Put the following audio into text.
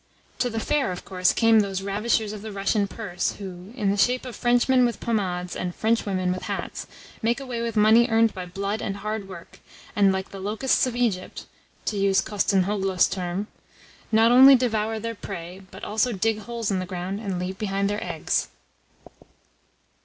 To the fair, of course, came those ravishers of the Russian purse who, in the shape of Frenchmen with pomades and Frenchwomen with hats, make away with money earned by blood and hard work, and, like the locusts of Egypt (to use Kostanzhoglo's term) not only devour their prey, but also dig holes in the ground and leave behind their eggs.